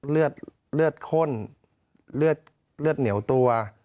เลือดข้นเลือดเหนียวตัว